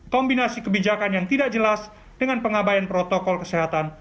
kombinasi kebijakan yang tidak jelas dengan pengabayan protokol kesehatan